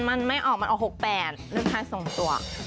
มันไม่ออกมันออก๖๘ลืมทานสมตัว